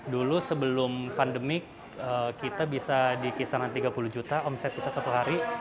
dulu sebelum pandemik kita bisa di kisaran tiga puluh juta omset kita satu hari